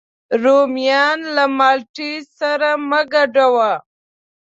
رومیان له مالټې سره مه ګډوه